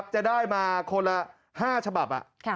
จะได้มาคนละ๕ฉบับ